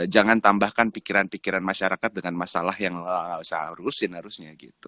jangan tambahkan pikiran pikiran masyarakat dengan masalah yang seharusnya gitu